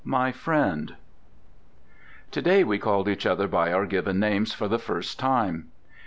MY FRIEND To day we called each other by our given names for the first time.